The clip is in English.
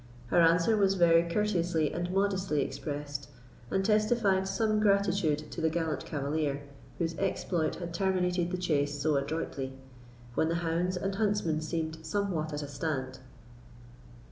Her answer was very courteously and modestly expressed, and testified some gratitude to the gallant cavalier, whose exploit had terminated the chase so adroitly, when the hounds and huntsmen seemed somewhat at a stand.